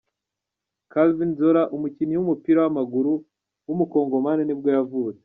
Calvin Zola, umukinnyi w’umupira w’amaguru w’umukongomani nibwo yavutse.